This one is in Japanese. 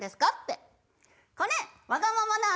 これわがまま